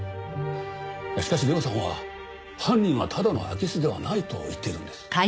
しかし涼さんは犯人はただの空き巣ではないと言っているんです。